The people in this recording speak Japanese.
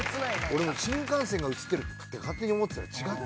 俺新幹線が映ってるって勝手に思ってたら違ったんだよ。